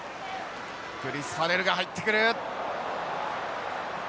クリスファレルが入ってくる。